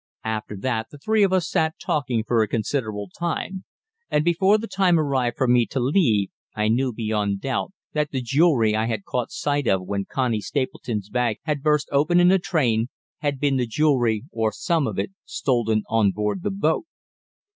After that the three of us sat talking for a considerable time, and before the time arrived for me to leave I knew beyond doubt that the jewellery I had caught sight of when Connie Stapleton's bag had burst open in the train had been the jewellery, or some of it, stolen on board the boat.